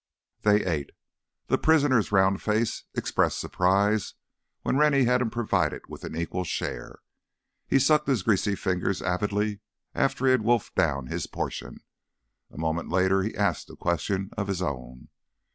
They ate. The prisoner's round face expressed surprise when Rennie had him provided with an equal share. He sucked his greasy fingers avidly after he had wolfed down his portion. A moment later he asked a question of his own.